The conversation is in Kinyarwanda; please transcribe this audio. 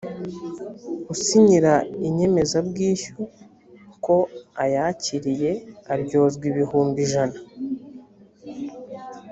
usinyira inyemezabwishyu ko ayakiriye aryozwa ibihumbi ijana